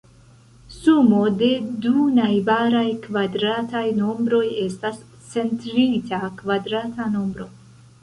Sumo de du najbaraj kvadrataj nombroj estas centrita kvadrata nombro.